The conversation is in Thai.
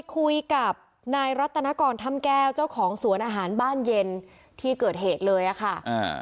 คุยกับนายรัตนกรถ้ำแก้วเจ้าของสวนอาหารบ้านเย็นที่เกิดเหตุเลยอ่ะค่ะอ่า